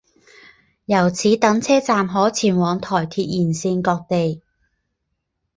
由此等车站可前往台铁沿线各地。